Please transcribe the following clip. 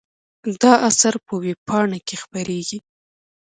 دا اثر په وېبپاڼه کې خپریږي.